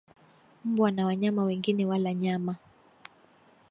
mbwa na wanyama wengine wala nyama